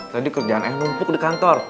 tadi kerjaan ayah numpuk di kantor